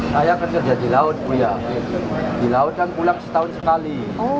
saya kerja di laut di laut dan pulang setahun sekali